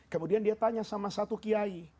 kemudian dia tanya sama satu kiai